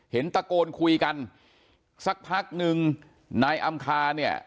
ตะโกนคุยกันสักพักนึงนายอำคาเนี่ย